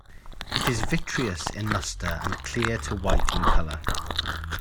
It is vitreous in luster and clear to white in color.